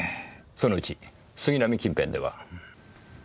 そのうち杉並近辺では？